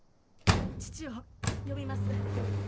父を呼びます。